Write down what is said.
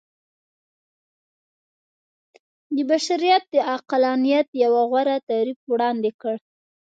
د بشريت د عقلانيت يو غوره تعريف وړاندې کړ.